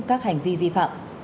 các hành vi vi phạm